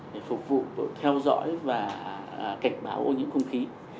để phục vụ theo dõi và cảnh báo ô nhiễm không khí